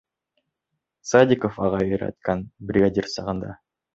Садиҡов ағай өйрәткән, бригадир сағында.